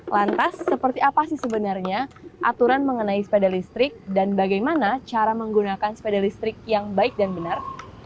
lantas seperti apa sih sebenarnya aturan mengenai sepeda listrik dan bagaimana cara menggunakan sepeda listrik yang baik dan benar